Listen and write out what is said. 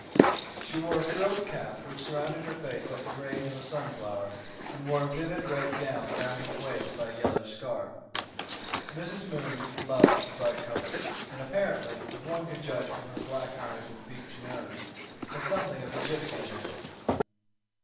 She wore a frilled cap, which surrounded her face like the rays of a sunflower, and wore a vivid red gown bound at the waist by a yellow scarf. Mrs. Moon loved bright colors, and apparently, if one could judge from her black eyes and beaked nose, had something of the gipsy in her.